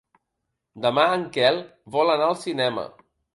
Demà en Quel vol anar al cinema.